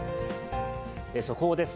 速報です。